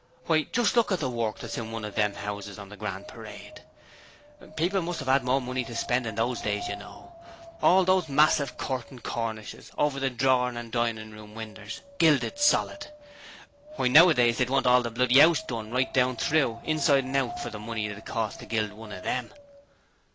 Why, just look at the work that's in one o' them 'ouses on the Grand Parade. People must 'ave 'ad more money to spend in those days, you know; all those massive curtain cornishes over the drawing and dining room winders gilded solid! Why, nowadays they'd want all the bloody 'ouse done down right through inside and out, for the money it cost to gild one of them.'